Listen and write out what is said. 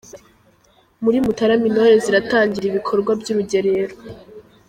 Muri Mutarama intore ziratangira ibikorwa by’urugerero